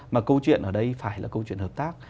mà câu chuyện ở đây phải là câu chuyện hợp tác